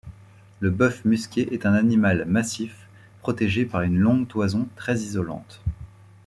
Le bœuf musqué est un animal massif protégé par une longue toison très isolante.